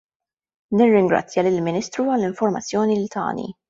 Nirringrazzja lill-Ministru għall-informazzjoni li tani.